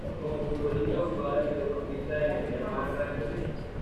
Como futbolista jugaba de mediocampista en el Miramar Rangers.